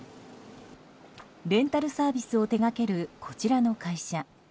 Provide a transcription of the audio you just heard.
レンタルサービスを手掛けるこちらの会社。